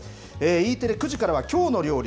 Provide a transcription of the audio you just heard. Ｅテレ９時からはきょうの料理。